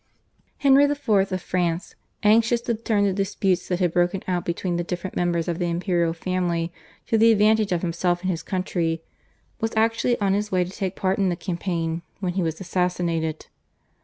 Henry IV. of France, anxious to turn the disputes that had broken out between the different members of the imperial family to the advantage of himself and his country, was actually on his way to take part in the campaign when he was assassinated.